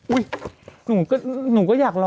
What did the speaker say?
อุ๊ยหนูก็อยากรอ